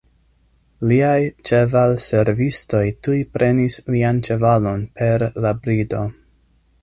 Liaj ĉevalservistoj tuj prenis lian ĉevalon per la brido.